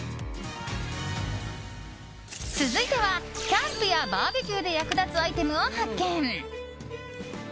続いてはキャンプやバーベキューで役立つアイテムを発見。